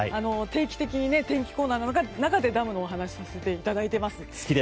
定期的に天気コーナーの中でダムのお話させていただいています。